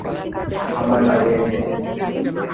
সময় লাগে এতে।